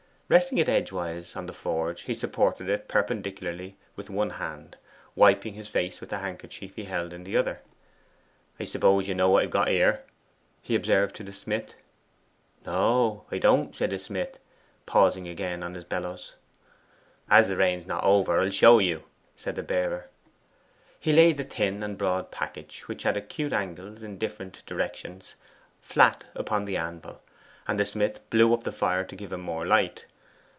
Resting it edgewise on the forge, he supported it perpendicularly with one hand, wiping his face with the handkerchief he held in the other. 'I suppose you know what I've got here?' he observed to the smith. 'No, I don't,' said the smith, pausing again on his bellows. 'As the rain's not over, I'll show you,' said the bearer. He laid the thin and broad package, which had acute angles in different directions, flat upon the anvil, and the smith blew up the fire to give him more light.